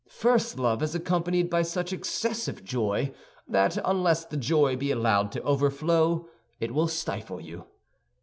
First love is accompanied by such excessive joy that unless the joy be allowed to overflow, it will stifle you.